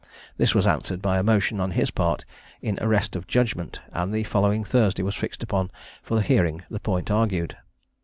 This was answered by a motion on his part in arrest of judgment, and the following Thursday was fixed upon for hearing the point argued.